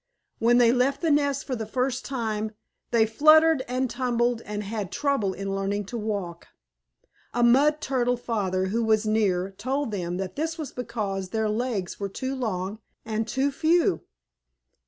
When they left the nest for the first time, they fluttered and tumbled and had trouble in learning to walk. A Mud Turtle Father who was near, told them that this was because their legs were too long and too few.